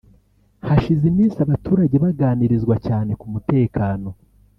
Hashize iminsi abaturage baganirizwa cyane ku mutekano